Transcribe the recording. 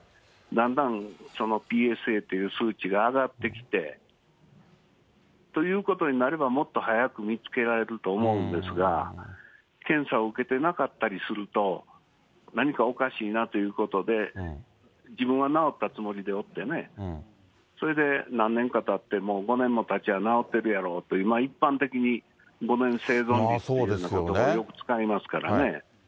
だんだんそのＰＳＡという数値が上がってきて、ということになれば、もっと早く見つけられると思うんですが、検査を受けてなかったりすると、何かおかしいなということで、自分は治ったつもりでおってね、それで何年かたって、もう５年もたちゃ、治ってるやろうという、一般的に５年生存率ということばをよく使いますからね。